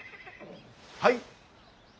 はい？